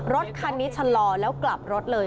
รถคันนี้ชะลอแล้วกลับรถเลย